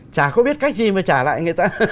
chả không biết cách gì mà trả lại người ta